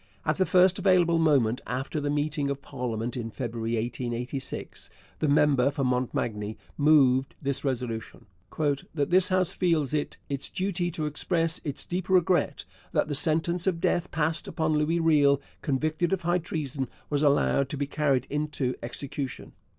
At the first available moment after the meeting of parliament in February 1886, the member for Montmagny moved this resolution: 'That this House feels it its duty to express its deep regret that the sentence of death passed upon Louis Riel convicted of high treason was allowed to be carried into execution.'